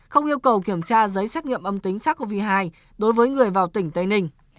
không yêu cầu kiểm tra giấy xét nghiệm âm tính sars cov hai đối với người vào tỉnh tây ninh